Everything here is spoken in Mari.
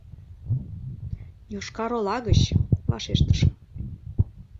— Йошкар-Ола гыч, — вашештышым.